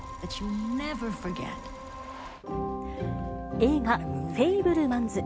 映画、フェイブルマンズ。